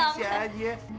ya nengki nengki aja